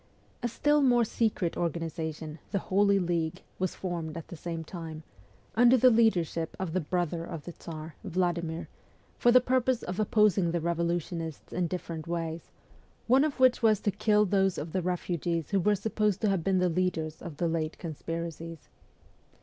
A still more secret organization, the Holy League, was formed at the same time, under the leadership of the brother of the Tsar, Vladimir, for the purpose of opposing the revolutionists in different ways, one of which was to kill those of the refugees who were supposed to have been the leaders of the late con spiracies.